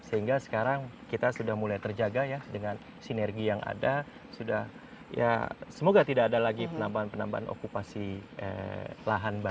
sehingga sekarang kita sudah mulai terjaga ya dengan sinergi yang ada sudah ya semoga tidak ada lagi penambahan penambahan okupasi lahan baru